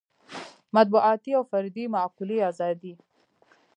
مطبوعاتي او فردي معقولې ازادۍ.